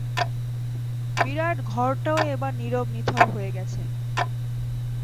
বিরাট ঘরটাও এবার নীরব নিথর হয়ে গেছে।